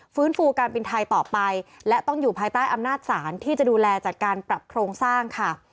ฟูการบินไทยต่อไปและต้องอยู่ภายใต้อำนาจศาลที่จะดูแลจัดการปรับโครงสร้างค่ะ